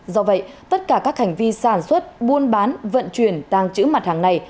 do vậy tất cả các hành vi sản xuất buôn bán vận chuyển tàng trữ mặt hàng này